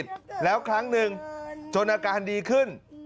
อีกแล้วครั้งหนึ่งจนอาการดีขึ้น